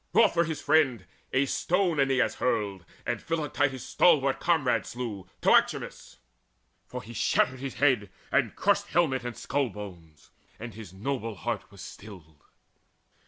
Wroth for his friend, a stone Aeneas hurled, And Philoctetes' stalwart comrade slew, Toxaechmes; for he shattered his head and crushed Helmet and skull bones; and his noble heart Was stilled.